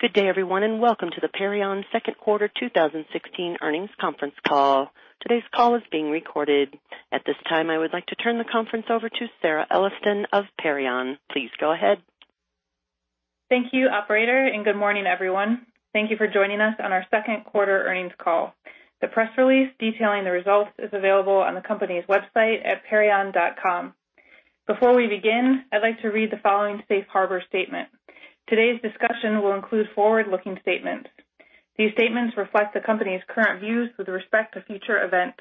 Good day everyone, welcome to the Perion second quarter 2016 earnings conference call. Today's call is being recorded. At this time, I would like to turn the conference over to Sarah Elliston of Perion. Please go ahead. Thank you operator, good morning everyone. Thank you for joining us on our second quarter earnings call. The press release detailing the results is available on the company's website at perion.com. Before we begin, I would like to read the following safe harbor statement. Today's discussion will include forward-looking statements. These statements reflect the company's current views with respect to future events.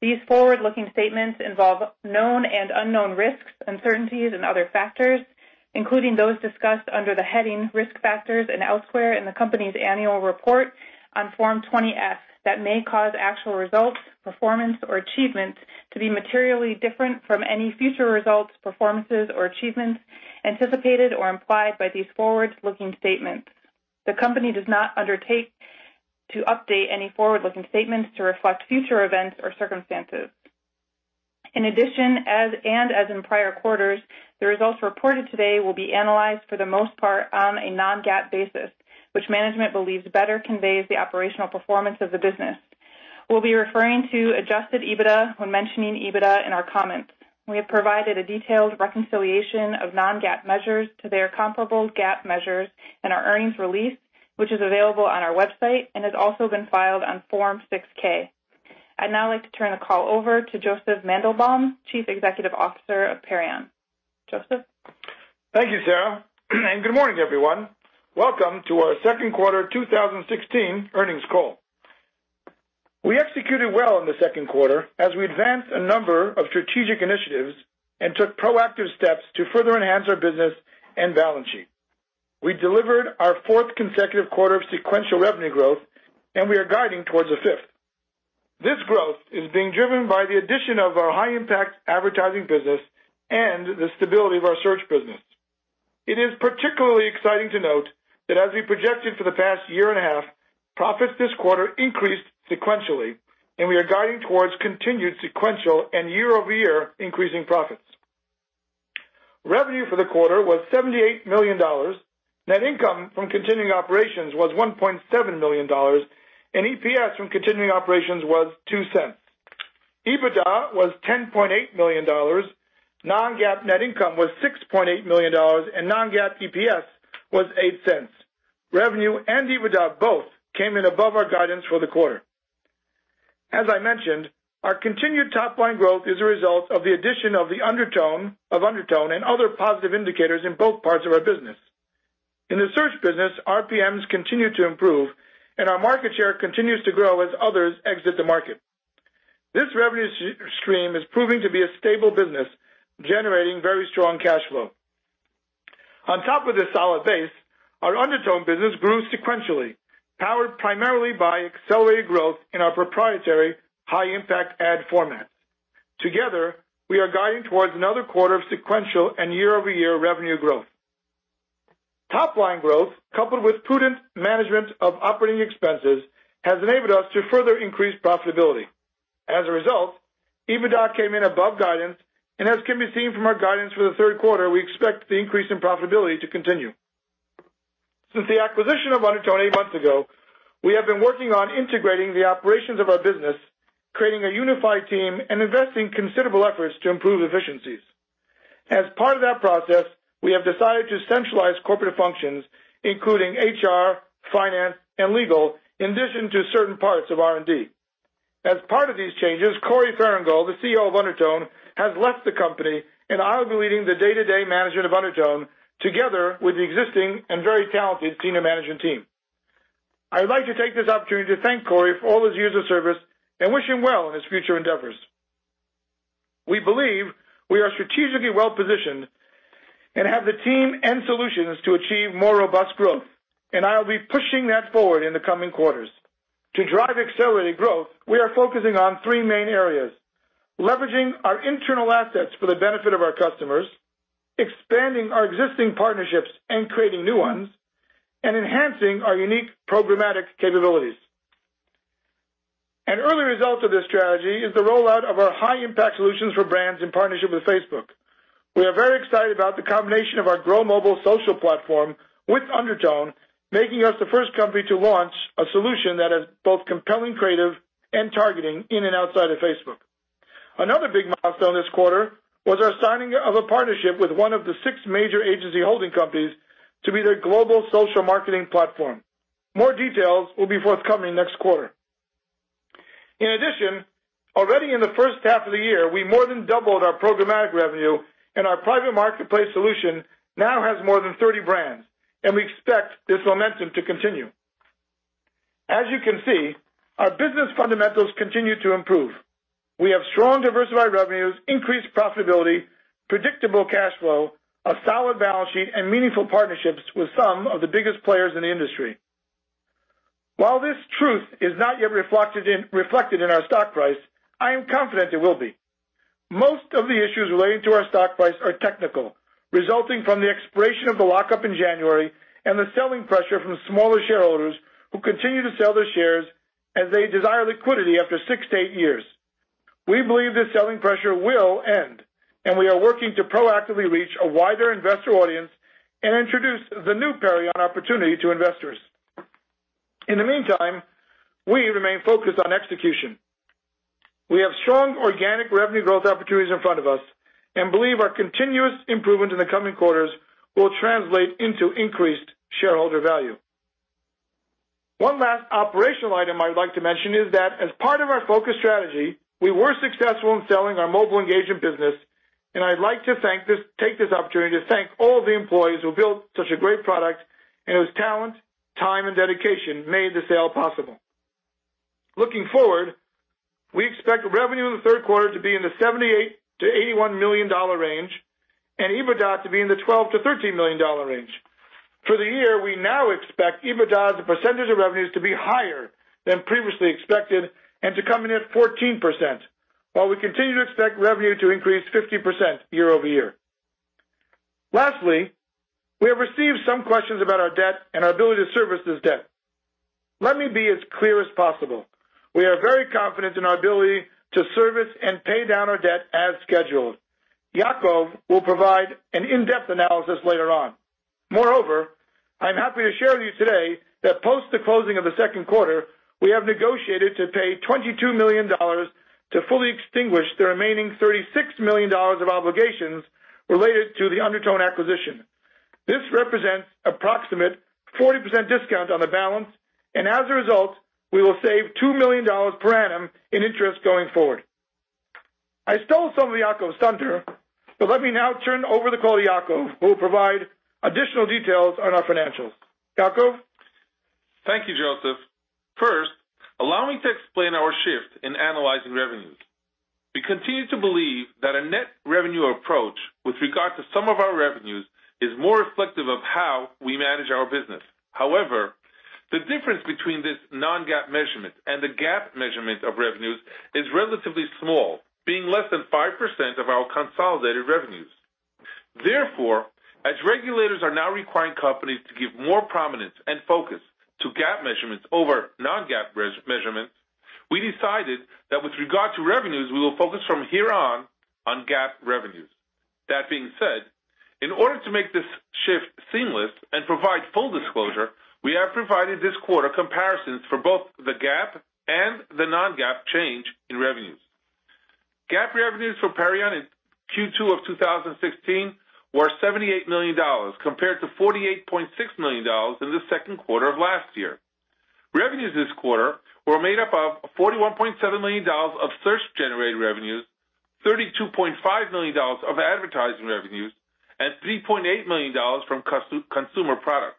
These forward-looking statements involve known and unknown risks, uncertainties, and other factors, including those discussed under the heading Risk Factors and elsewhere in the company's annual report on Form 20-F, that may cause actual results, performance or achievements to be materially different from any future results, performances or achievements anticipated or implied by these forward-looking statements. The company does not undertake to update any forward-looking statements to reflect future events or circumstances. In addition, as in prior quarters, the results reported today will be analyzed for the most part on a non-GAAP basis, which management believes better conveys the operational performance of the business. We will be referring to adjusted EBITDA when mentioning EBITDA in our comments. We have provided a detailed reconciliation of non-GAAP measures to their comparable GAAP measures in our earnings release, which is available on our website and has also been filed on Form 6-K. I would now like to turn the call over to Josef Mandelbaum, Chief Executive Officer of Perion. Josef? Thank you, Sarah. Good morning everyone. Welcome to our second quarter 2016 earnings call. We executed well in the second quarter as we advanced a number of strategic initiatives and took proactive steps to further enhance our business and balance sheet. We delivered our fourth consecutive quarter of sequential revenue growth, and we are guiding towards a fifth. This growth is being driven by the addition of our high-impact advertising business and the stability of our search business. It is particularly exciting to note that as we projected for the past year and a half, profits this quarter increased sequentially, and we are guiding towards continued sequential and year-over-year increasing profits. Revenue for the quarter was $78 million. Net income from continuing operations was $1.7 million, and EPS from continuing operations was $0.02. EBITDA was $10.8 million. Non-GAAP net income was $6.8 million, non-GAAP EPS was $0.08. Revenue and EBITDA both came in above our guidance for the quarter. As I mentioned, our continued top line growth is a result of the addition of Undertone and other positive indicators in both parts of our business. In the search business, RPMs continue to improve and our market share continues to grow as others exit the market. This revenue stream is proving to be a stable business, generating very strong cash flow. On top of this solid base, our Undertone business grew sequentially, powered primarily by accelerated growth in our proprietary high-impact ad formats. Together, we are guiding towards another quarter of sequential and year-over-year revenue growth. Top line growth, coupled with prudent management of operating expenses, has enabled us to further increase profitability. As a result, EBITDA came in above guidance, as can be seen from our guidance for the third quarter, we expect the increase in profitability to continue. Since the acquisition of Undertone 8 months ago, we have been working on integrating the operations of our business, creating a unified team, and investing considerable efforts to improve efficiencies. As part of that process, we have decided to centralize corporate functions, including HR, finance, and legal, in addition to certain parts of R&D. As part of these changes, Corey Ferengul, the CEO of Undertone, has left the company and I'll be leading the day-to-day management of Undertone together with the existing and very talented senior management team. I'd like to take this opportunity to thank Corey for all his years of service and wish him well in his future endeavors. We believe we are strategically well positioned and have the team and solutions to achieve more robust growth, I'll be pushing that forward in the coming quarters. To drive accelerated growth, we are focusing on three main areas: leveraging our internal assets for the benefit of our customers, expanding our existing partnerships and creating new ones, and enhancing our unique programmatic capabilities. An early result of this strategy is the rollout of our high-impact solutions for brands in partnership with Facebook. We are very excited about the combination of our GrowMobile social platform with Undertone, making us the first company to launch a solution that has both compelling creative and targeting in and outside of Facebook. Another big milestone this quarter was our signing of a partnership with one of the 6 major agency holding companies to be their global social marketing platform. More details will be forthcoming next quarter. In addition, already in the first half of the year, we more than doubled our programmatic revenue, our private marketplace solution now has more than 30 brands, and we expect this momentum to continue. As you can see, our business fundamentals continue to improve. We have strong diversified revenues, increased profitability, predictable cash flow, a solid balance sheet, and meaningful partnerships with some of the biggest players in the industry. While this truth is not yet reflected in our stock price, I am confident it will be. Most of the issues relating to our stock price are technical, resulting from the expiration of the lock-up in January and the selling pressure from smaller shareholders who continue to sell their shares as they desire liquidity after 6 to 8 years. We believe this selling pressure will end. We are working to proactively reach a wider investor audience and introduce the new Perion opportunity to investors. In the meantime, we remain focused on execution. We have strong organic revenue growth opportunities in front of us and believe our continuous improvement in the coming quarters will translate into increased shareholder value. One last operational item I would like to mention is that as part of our focus strategy, we were successful in selling our mobile engagement business, and I'd like to take this opportunity to thank all the employees who built such a great product and whose talent, time, and dedication made the sale possible. Looking forward, we expect revenue in the third quarter to be in the $78 million-$81 million range and EBITDA to be in the $12 million-$13 million range. For the year, we now expect EBITDA as a percentage of revenues to be higher than previously expected and to come in at 14%, while we continue to expect revenue to increase 50% year-over-year. Lastly, we have received some questions about our debt and our ability to service this debt. Let me be as clear as possible. We are very confident in our ability to service and pay down our debt as scheduled. Yacov will provide an in-depth analysis later on. Moreover, I'm happy to share with you today that post the closing of the second quarter, we have negotiated to pay $22 million to fully extinguish the remaining $36 million of obligations related to the Undertone acquisition. This represents approximate 40% discount on the balance, and as a result, we will save $2 million per annum in interest going forward. I stole some of Yacov's thunder. Let me now turn over the call to Yacov, who will provide additional details on our financials. Yacov? Thank you, Josef. First, allow me to explain our shift in analyzing revenues. We continue to believe that a net revenue approach with regard to some of our revenues, is more reflective of how we manage our business. However, the difference between this non-GAAP measurement and the GAAP measurement of revenues is relatively small, being less than 5% of our consolidated revenues. Therefore, as regulators are now requiring companies to give more prominence and focus to GAAP measurements over non-GAAP measurements, we decided that with regard to revenues, we will focus from here on GAAP revenues. That being said, in order to make this shift seamless and provide full disclosure, we have provided this quarter comparisons for both the GAAP and the non-GAAP change in revenues. GAAP revenues for Perion in Q2 of 2016 were $78 million, compared to $48.6 million in the second quarter of last year. Revenues this quarter were made up of $41.7 million of search-generated revenues, $32.5 million of advertising revenues, and $3.8 million from consumer products.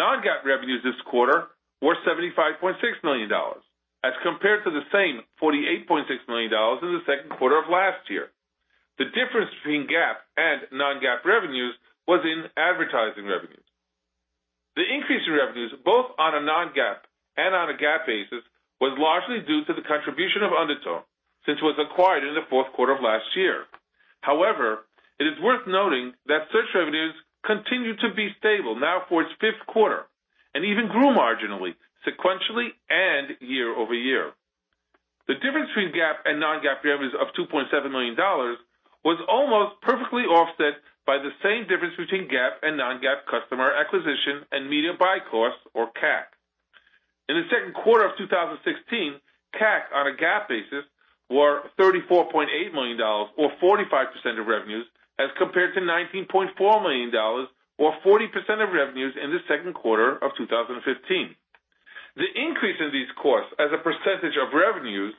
Non-GAAP revenues this quarter were $75.6 million as compared to the same $48.6 million in the second quarter of last year. The difference between GAAP and non-GAAP revenues was in advertising revenues. The increase in revenues, both on a non-GAAP and on a GAAP basis, was largely due to the contribution of Undertone since it was acquired in the fourth quarter of last year. However, it is worth noting that search revenues continue to be stable now for its fifth quarter and even grew marginally, sequentially and year-over-year. The difference between GAAP and non-GAAP revenues of $2.7 million was almost perfectly offset by the same difference between GAAP and non-GAAP customer acquisition and media buy costs or CAC. In the second quarter of 2016, CAC on a GAAP basis were $34.8 million or 45% of revenues as compared to $19.4 million or 40% of revenues in the second quarter of 2015. The increase in these costs as a percentage of revenues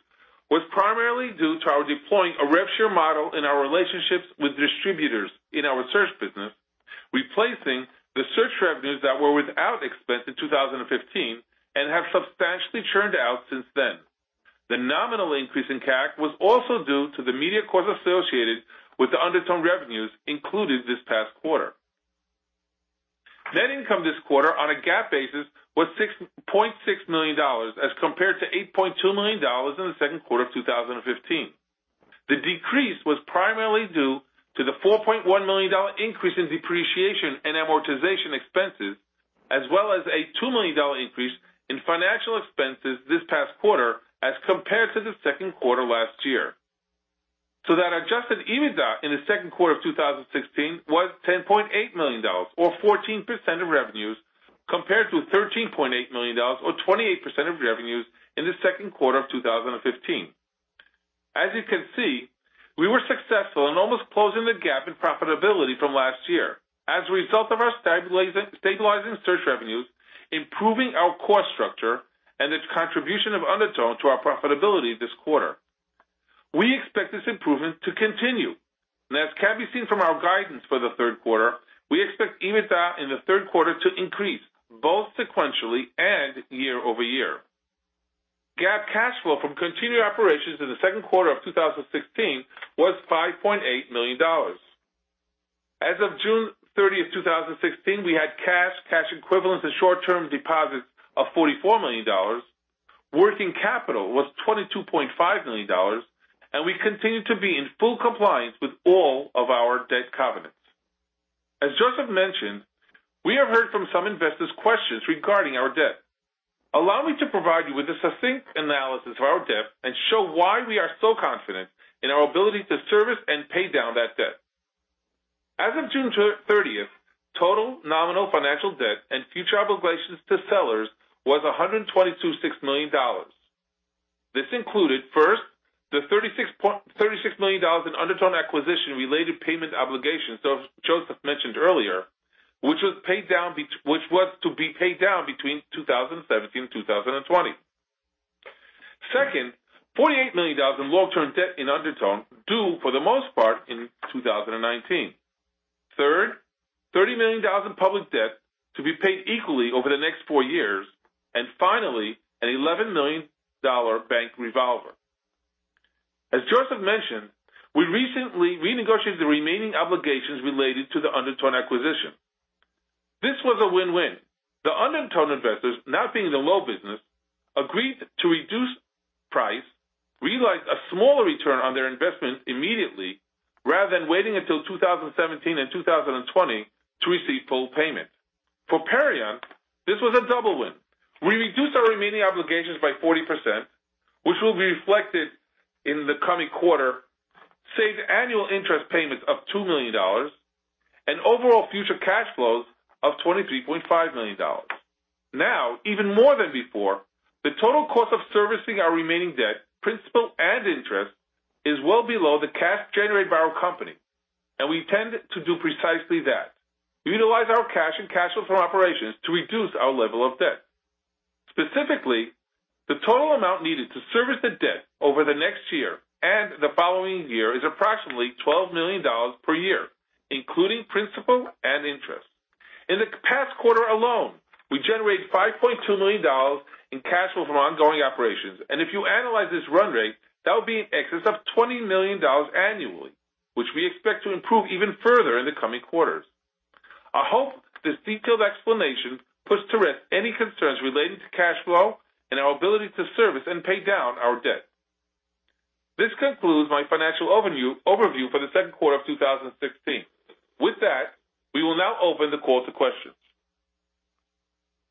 was primarily due to our deploying a rev share model in our relationships with distributors in our search business, replacing the search revenues that were without expense in 2015 and have substantially churned out since then. The nominal increase in CAC was also due to the media costs associated with the Undertone revenues included this past quarter. Net income this quarter on a GAAP basis was $6.6 million as compared to $8.2 million in the second quarter of 2015. The decrease was primarily due to the $4.1 million increase in depreciation and amortization expenses, as well as a $2 million increase in financial expenses this past quarter as compared to the second quarter last year. That adjusted EBITDA in the second quarter of 2016 was $10.8 million or 14% of revenues, compared to $13.8 million or 28% of revenues in the second quarter of 2015. As you can see, we were successful in almost closing the gap in profitability from last year as a result of our stabilizing search revenues, improving our cost structure, and the contribution of Undertone to our profitability this quarter. We expect this improvement to continue. As can be seen from our guidance for the third quarter, we expect EBITDA in the third quarter to increase both sequentially and year-over-year. GAAP cash flow from continued operations in the second quarter of 2016 was $5.8 million. As of June 30th, 2016, we had cash equivalents, and short-term deposits of $44 million. Working capital was $22.5 million, and we continue to be in full compliance with all of our debt covenants. As Josef mentioned, we have heard from some investors questions regarding our debt. Allow me to provide you with a succinct analysis of our debt and show why we are so confident in our ability to service and pay down that debt. As of June 30th, total nominal financial debt and future obligations to sellers was $122.6 million. This included, first, the $36 million in Undertone acquisition-related payment obligations, as Josef mentioned earlier, which was to be paid down between 2017 and 2020. Second, $48 million in long-term debt in Undertone, due for the most part in 2019. Third, $30 million public debt to be paid equally over the next four years. Finally, an $11 million bank revolver. As Josef mentioned, we recently renegotiated the remaining obligations related to the Undertone acquisition. This was a win-win. The Undertone investors, not being in the loan business, agreed to reduce price, realize a smaller return on their investment immediately, rather than waiting until 2017 and 2020 to receive full payment. For Perion, this was a double win. We reduced our remaining obligations by 40%, which will be reflected in the coming quarter, saved annual interest payments of $2 million, and overall future cash flows of $23.5 million. Even more than before, the total cost of servicing our remaining debt, principal and interest, is well below the cash generated by our company, and we intend to do precisely that. We utilize our cash and cash flows from operations to reduce our level of debt. The total amount needed to service the debt over the next year and the following year is approximately $12 million per year, including principal and interest. In the past quarter alone, we generated $5.2 million in cash flow from ongoing operations, and if you analyze this run rate, that would be in excess of $20 million annually, which we expect to improve even further in the coming quarters. I hope this detailed explanation puts to rest any concerns relating to cash flow and our ability to service and pay down our debt. This concludes my financial overview for the second quarter of 2016. We will now open the call to questions.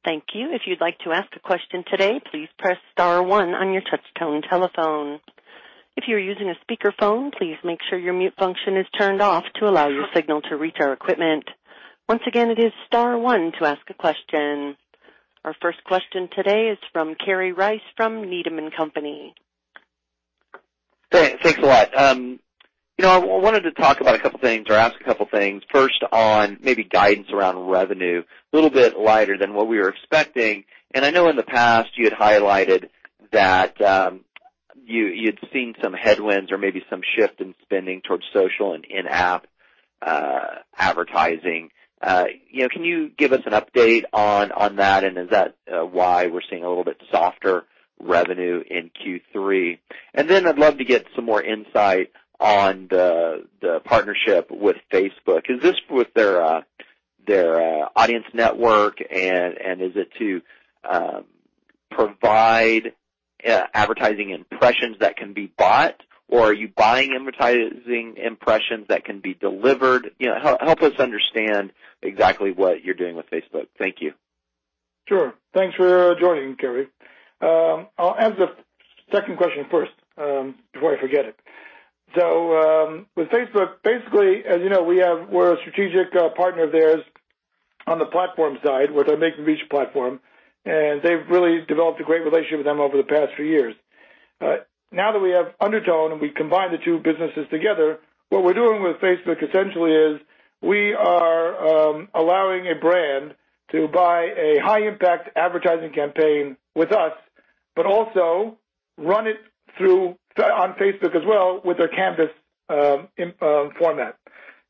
Thank you. If you'd like to ask a question today, please press star one on your touch-tone telephone. If you're using a speakerphone, please make sure your mute function is turned off to allow your signal to reach our equipment. Once again, it is star one to ask a question. Our first question today is from Kerry Rice from Needham & Company. Great. Thanks a lot. I wanted to talk about a couple things or ask a couple things. On maybe guidance around revenue. A little bit lighter than what we were expecting, I know in the past you had highlighted that you'd seen some headwinds or maybe some shift in spending towards social and in-app advertising. Can you give us an update on that, is that why we're seeing a little bit softer revenue in Q3? Then I'd love to get some more insight on the partnership with Facebook. Is this with their Audience Network, is it to provide advertising impressions that can be bought, or are you buying advertising impressions that can be delivered? Help us understand exactly what you're doing with Facebook. Thank you. Sure. Thanks for joining, Kerry. I'll answer the second question first, before I forget it. With Facebook, basically, as you know, we're a strategic partner of theirs on the platform side with our MakeMeReach platform, They've really developed a great relationship with them over the past few years. Now that we have Undertone and we combine the two businesses together, what we're doing with Facebook essentially is we are allowing a brand to buy a high-impact advertising campaign with us, but also run it through on Facebook as well with their Facebook Canvas format.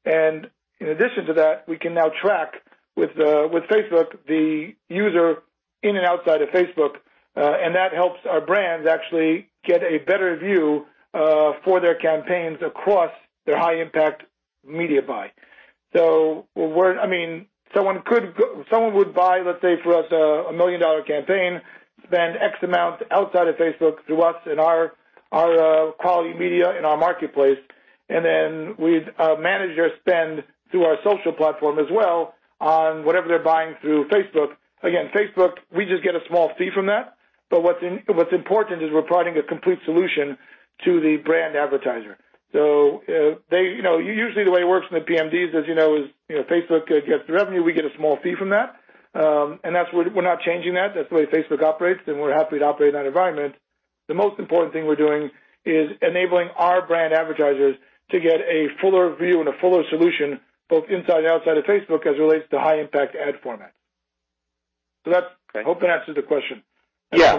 In addition to that, we can now track with Facebook the user in and outside of Facebook, and that helps our brands actually get a better view for their campaigns across their high-impact media buy. Someone would buy, let's say, for us, a $1 million campaign, spend X amount outside of Facebook through us in our quality media in our marketplace. Then we'd manage their spend through our social platform as well on whatever they're buying through Facebook. Again, Facebook, we just get a small fee from that. What's important is we're providing a complete solution to the brand advertiser. Usually the way it works in the PMDs, as you know, is Facebook gets the revenue. We get a small fee from that. We're not changing that. That's the way Facebook operates, and we're happy to operate in that environment. The most important thing we're doing is enabling our brand advertisers to get a fuller view and a fuller solution, both inside and outside of Facebook as it relates to high-impact ad format. I hope that answers the question. Yeah.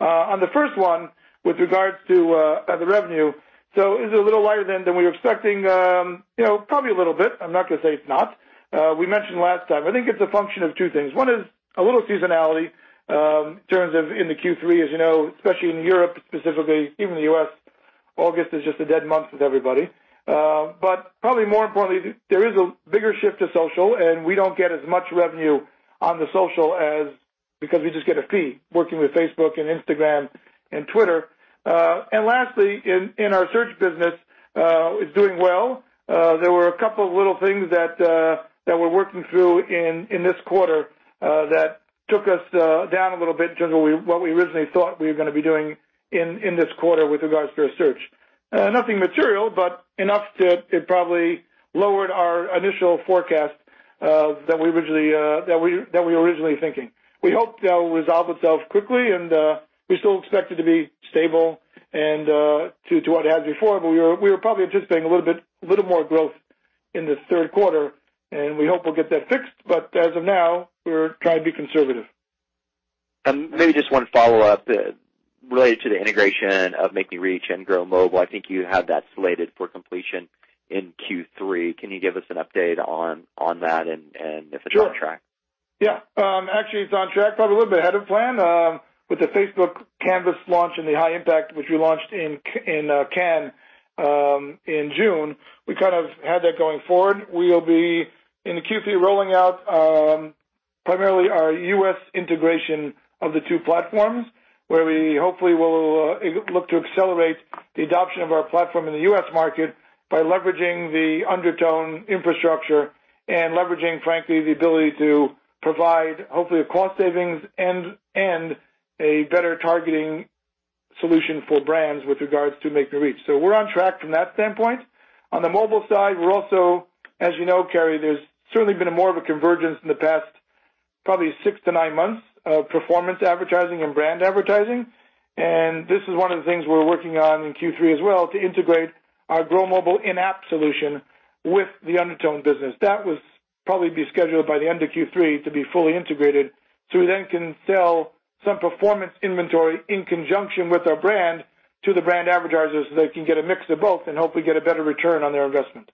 On the first one, with regards to the revenue. Is it a little lighter than we were expecting? Probably a little bit. I'm not going to say it's not. We mentioned last time, I think it's a function of two things. One is a little seasonality in terms of in the Q3, as you know, especially in Europe specifically, even the U.S., August is just a dead month with everybody. Probably more importantly, there is a bigger shift to social, and we don't get as much revenue on the social as Because we just get a fee working with Facebook and Instagram and Twitter. Lastly, in our search business, it's doing well. There were a couple of little things that we're working through in this quarter, that took us down a little bit in terms of what we originally thought we were going to be doing in this quarter with regards to our search. Nothing material, but enough that it probably lowered our initial forecast than we originally thinking. We hope that will resolve itself quickly, and we still expect it to be stable and to what it has before, but we were probably anticipating a little bit more growth in this third quarter, and we hope we'll get that fixed, but as of now, we're trying to be conservative. Maybe just one follow-up related to the integration of MakeMeReach and GrowMobile. I think you have that slated for completion in Q3. Can you give us an update on that? Sure on track? Yeah. Actually, it's on track, probably a little bit ahead of plan. With the Facebook Canvas launch and the high impact, which we launched in Cannes in June, we kind of had that going forward. We'll be, in Q3, rolling out, primarily our U.S. integration of the two platforms, where we hopefully will look to accelerate the adoption of our platform in the U.S. market by leveraging the Undertone infrastructure and leveraging, frankly, the ability to provide, hopefully, a cost savings and a better targeting solution for brands with regards to MakeMeReach. So we're on track from that standpoint. On the mobile side, we're also, as you know, Kerry, there's certainly been more of a convergence in the past, probably six to nine months, of performance advertising and brand advertising. This is one of the things we're working on in Q3 as well to integrate our GrowMobile in-app solution with the Undertone business. That was probably be scheduled by the end of Q3 to be fully integrated to then can sell some performance inventory in conjunction with our brand to the brand advertisers, so they can get a mix of both and hopefully get a better return on their investment.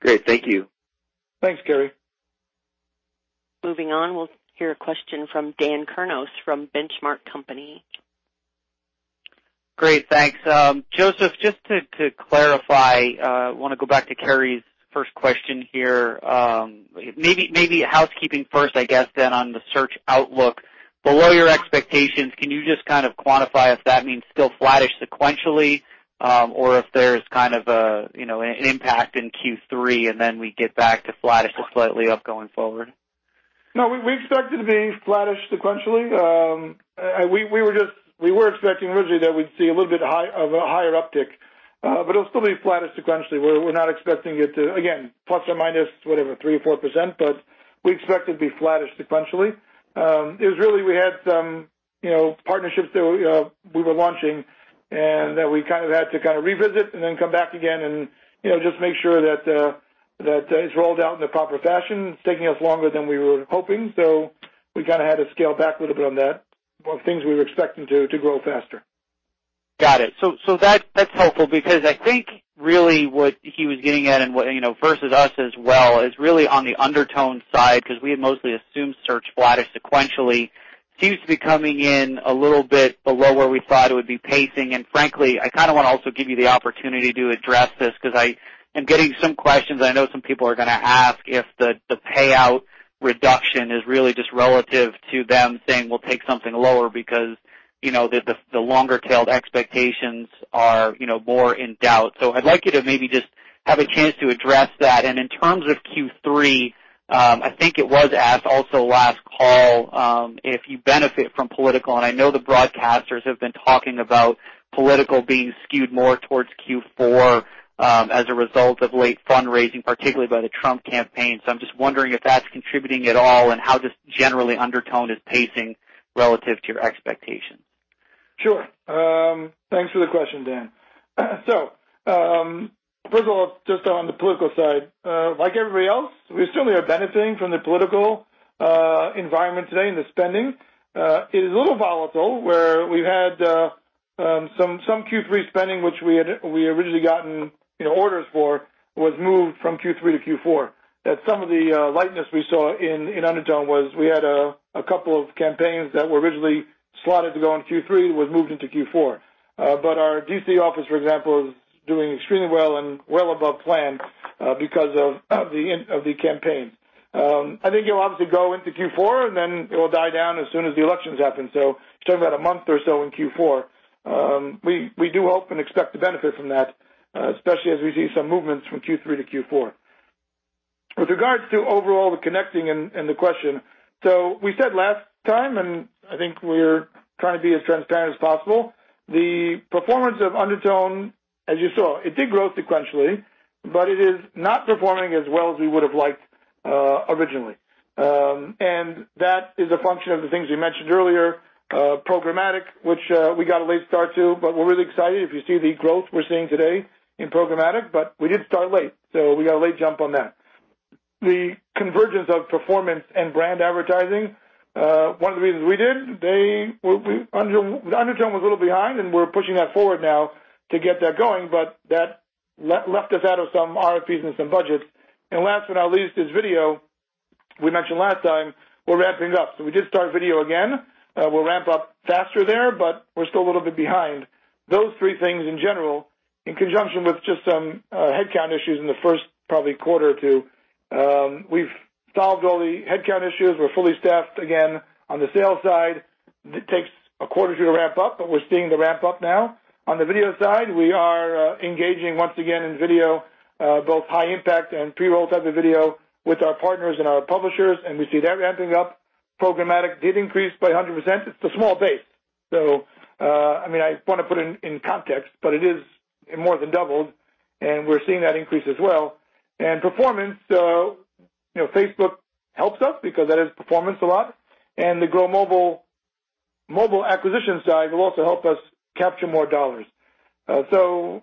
Great. Thank you. Thanks, Kerry. Moving on, we'll hear a question from Dan Kurnos from The Benchmark Company. Great. Thanks. Josef, just to clarify, want to go back to Kerry's first question here. Maybe housekeeping first, I guess then on the search outlook. Below your expectations, can you just kind of quantify if that means still flattish sequentially, or if there's kind of an impact in Q3, and then we get back to flattish or slightly up going forward? We expect it to be flattish sequentially. We were expecting originally that we'd see a little bit of a higher uptick, but it'll still be flattish sequentially. We're not expecting it to, again, plus or minus, whatever, 3% or 4%, but we expect it to be flattish sequentially. It was really, we had some partnerships that we were launching and that we kind of had to kind of revisit and then come back again and just make sure that it's rolled out in the proper fashion. It's taking us longer than we were hoping. We kind of had to scale back a little bit on that, on things we were expecting to grow faster. Got it. That's helpful because I think really what he was getting at and what, versus us as well, is really on the Undertone side, because we had mostly assumed search flattish sequentially. Seems to be coming in a little bit below where we thought it would be pacing. Frankly, I kind of want to also give you the opportunity to address this because I am getting some questions. I know some people are going to ask if the payout reduction is really just relative to them saying, "We'll take something lower," because the longer-tailed expectations are more in doubt. I'd like you to maybe just have a chance to address that. In terms of Q3, I think it was asked also last call, if you benefit from political, and I know the broadcasters have been talking about political being skewed more towards Q4, as a result of late fundraising, particularly by the Trump campaign. I'm just wondering if that's contributing at all and how just generally Undertone is pacing relative to your expectations. Sure. Thanks for the question, Dan. First of all, just on the political side, like everybody else, we certainly are benefiting from the political environment today and the spending. It is a little volatile where we've had some Q3 spending, which we had originally gotten orders for, was moved from Q3 to Q4. That some of the lightness we saw in Undertone was we had a couple of campaigns that were originally slotted to go in Q3, was moved into Q4. Our D.C. office, for example, is doing extremely well and well above plan because of the campaign. I think it'll obviously go into Q4, and then it will die down as soon as the elections happen. It's sort of about a month or so in Q4. We do hope and expect to benefit from that, especially as we see some movements from Q3 to Q4. With regards to overall the connecting and the question, we said last time, and I think we're trying to be as transparent as possible, the performance of Undertone, as you saw, it did grow sequentially, but it is not performing as well as we would have liked originally. That is a function of the things we mentioned earlier, programmatic, which we got a late start to, but we're really excited if you see the growth we're seeing today in programmatic, but we did start late, we got a late jump on that. The convergence of performance and brand advertising, one of the reasons we did, Undertone was a little behind, we're pushing that forward now to get that going, but that left us out of some RFPs and some budgets. Last but not least is video. We mentioned last time we're ramping up. We did start video again. We'll ramp up faster there, but we're still a little bit behind. Those three things in general in conjunction with just some headcount issues in the first probably quarter or two. We've solved all the headcount issues. We're fully staffed again on the sales side. It takes a quarter to ramp up, but we're seeing the ramp-up now. On the video side, we are engaging once again in video, both high impact and pre-roll type of video with our partners and our publishers, and we see that ramping up. Programmatic did increase by 100%. It's a small base. I want to put it in context, but it is more than doubled, and we're seeing that increase as well. Performance, Facebook helps us because that is performance a lot. The GrowMobile acquisition side will also help us capture more dollars. The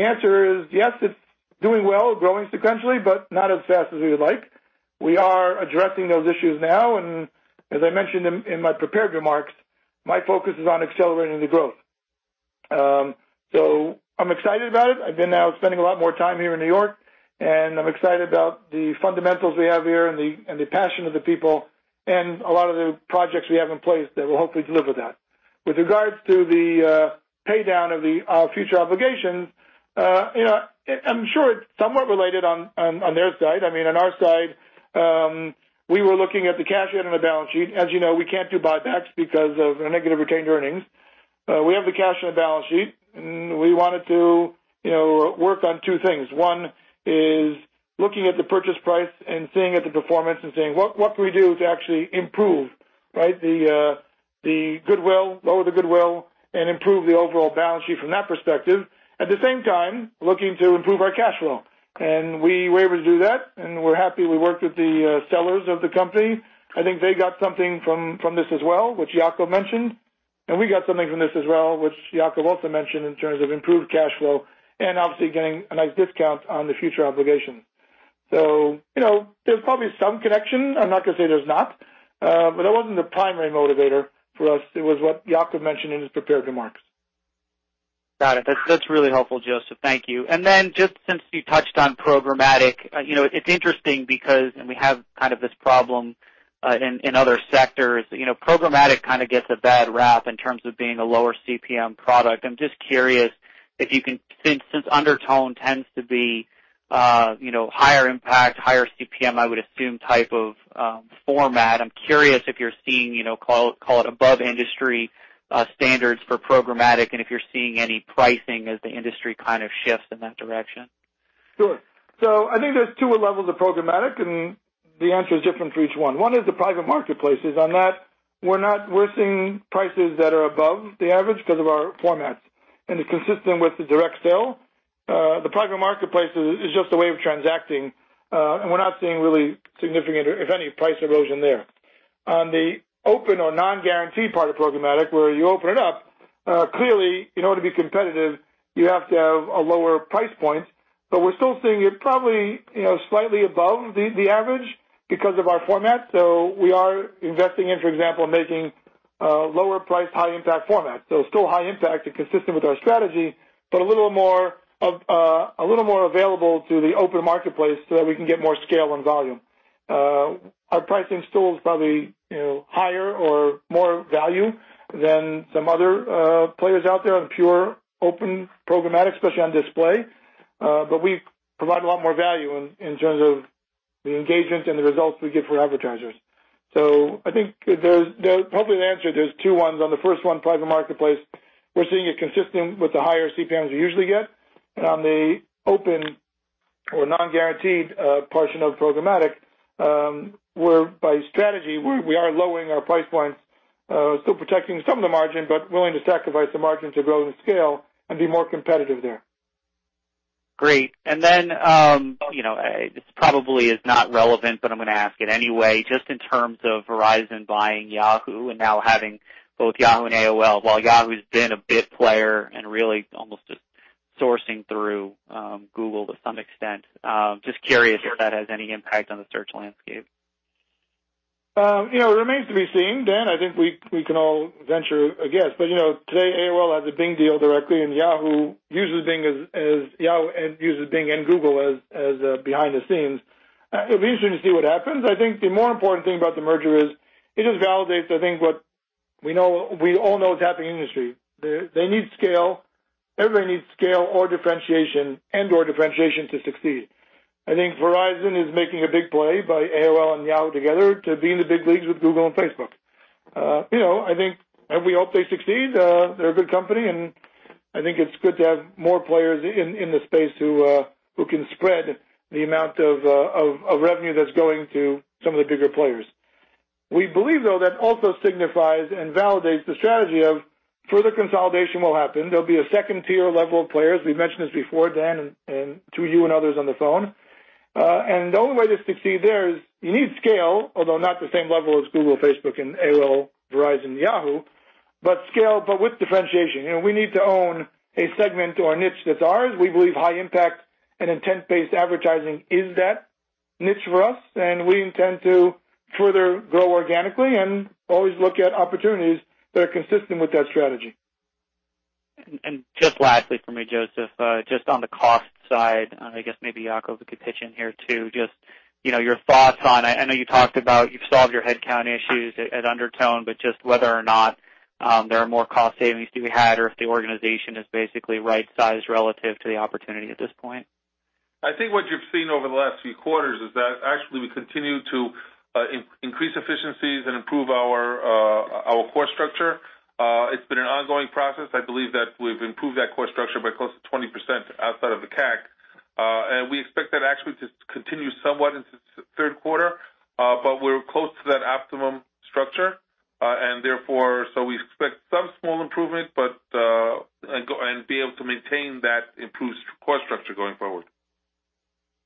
answer is, yes, it's doing well, growing sequentially, but not as fast as we would like. We are addressing those issues now, and as I mentioned in my prepared remarks, my focus is on accelerating the growth. I'm excited about it. I've been now spending a lot more time here in New York, and I'm excited about the fundamentals we have here and the passion of the people and a lot of the projects we have in place that will hopefully deliver that. With regards to the pay-down of the future obligations, I'm sure it's somewhat related on their side. On our side, we were looking at the cash in on the balance sheet. As you know, we can't do buybacks because of the negative retained earnings. We have the cash on the balance sheet, and we wanted to work on two things. One is looking at the purchase price and seeing at the performance and saying, what can we do to actually improve, right? Lower the goodwill, and improve the overall balance sheet from that perspective. At the same time, looking to improve our cash flow. We were able to do that, and we're happy we worked with the sellers of the company. I think they got something from this as well, which Yacov mentioned. We got something from this as well, which Yacov also mentioned in terms of improved cash flow and obviously getting a nice discount on the future obligation. There's probably some connection. I'm not going to say there's not. That wasn't the primary motivator for us. It was what Yacov mentioned in his prepared remarks. Got it. That's really helpful, Josef. Thank you. Just since you touched on programmatic, it's interesting because we have kind of this problem in other sectors. Programmatic kind of gets a bad rap in terms of being a lower CPM product. I'm just curious if you can, since Undertone tends to be higher impact, higher CPM, I would assume type of format. I'm curious if you're seeing, call it above industry standards for programmatic, and if you're seeing any pricing as the industry kind of shifts in that direction. Sure. I think there's two levels of programmatic, and the answer is different for each one. One is the private marketplaces. On that, we're seeing prices that are above the average because of our formats. It's consistent with the direct sale. The private marketplace is just a way of transacting, and we're not seeing really significant, if any, price erosion there. On the open or non-guaranteed part of programmatic, where you open it up, clearly, in order to be competitive, you have to have a lower price point. We're still seeing it probably slightly above the average because of our format. We are investing in, for example, making lower price, high impact format. Still high impact and consistent with our strategy, but a little more available to the open marketplace so that we can get more scale and volume. Our pricing still is probably higher or more value than some other players out there on pure open programmatic, especially on display. We provide a lot more value in terms of the engagement and the results we get for advertisers. I think, probably to answer, there's two ones. On the first one, private marketplace, we're seeing it consistent with the higher CPMs we usually get. On the open or non-guaranteed portion of programmatic, where by strategy, we are lowering our price points, still protecting some of the margin, but willing to sacrifice the margin to grow the scale and be more competitive there. Great. This probably is not relevant, but I'm going to ask it anyway, just in terms of Verizon buying Yahoo and now having both Yahoo and AOL. While Yahoo's been a bit player and really almost just sourcing through Google to some extent, just curious if that has any impact on the search landscape. It remains to be seen, Dan. I think we can all venture a guess. Today, AOL has a Bing deal directly, and Yahoo uses Bing and Google as behind the scenes. It'll be interesting to see what happens. I think the more important thing about the merger is it just validates, I think, what we all know is happening in the industry. They need scale. Everybody needs scale and/or differentiation to succeed. I think Verizon is making a big play by AOL and Yahoo together to be in the big leagues with Google and Facebook. I think, we hope they succeed. They're a good company, and I think it's good to have more players in the space who can spread the amount of revenue that's going to some of the bigger players. We believe, though, that also signifies and validates the strategy of further consolidation will happen. There'll be a second-tier level of players. We've mentioned this before, Dan, and to you and others on the phone. The only way to succeed there is you need scale, although not the same level as Google, Facebook, and AOL, Verizon, Yahoo, but scale, but with differentiation. We need to own a segment or a niche that's ours. We believe high impact and intent-based advertising is that niche for us, and we intend to further grow organically and always look at opportunities that are consistent with that strategy. Just lastly for me, Josef, just on the cost side, I guess maybe Yacov could pitch in here, too, just Your thoughts on, I know you talked about you've solved your headcount issues at Undertone, but just whether or not there are more cost savings to be had or if the organization is basically right-sized relative to the opportunity at this point. I think what you've seen over the last few quarters is that actually we continue to increase efficiencies and improve our cost structure. It's been an ongoing process. I believe that we've improved that cost structure by close to 20% outside of the CAC. We expect that actually to continue somewhat into third quarter. We're close to that optimum structure, and therefore, so we expect some small improvement and be able to maintain that improved cost structure going forward.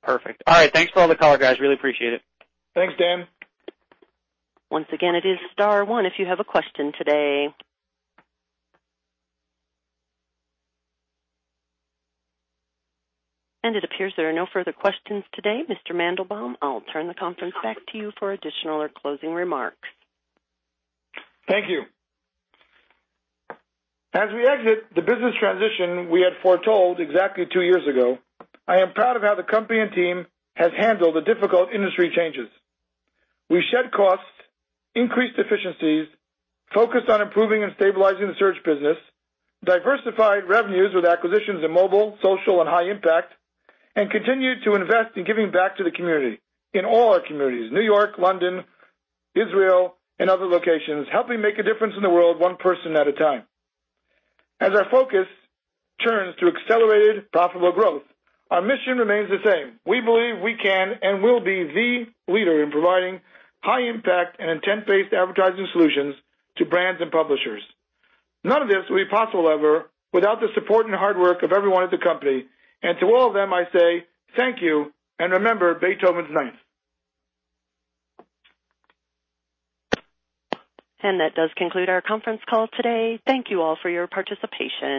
Perfect. All right. Thanks for all the color, guys. Really appreciate it. Thanks, Dan. Once again, it is star one if you have a question today. It appears there are no further questions today. Mr. Mandelbaum, I'll turn the conference back to you for additional or closing remarks. Thank you. As we exit the business transition we had foretold exactly two years ago, I am proud of how the company and team has handled the difficult industry changes. We shed costs, increased efficiencies, focused on improving and stabilizing the search business, diversified revenues with acquisitions in mobile, social, and high impact, and continued to invest in giving back to the community, in all our communities, New York, London, Israel, and other locations, helping make a difference in the world one person at a time. As our focus turns to accelerated profitable growth, our mission remains the same. We believe we can and will be the leader in providing high impact and intent-based advertising solutions to brands and publishers. None of this would be possible, however, without the support and hard work of everyone at the company. To all of them, I say thank you, and remember Beethoven's Ninth. That does conclude our conference call today. Thank you all for your participation.